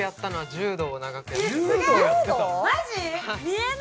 柔道？